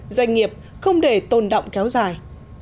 doanh nghiệp không để tồn động kéo dài